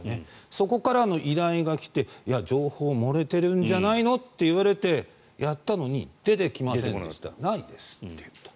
そこからの依頼が来て情報が漏れてるんじゃないのと言われてやったのにでてきませんでしたないですということ。